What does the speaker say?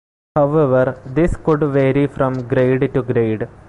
However, this could vary from grade to grade.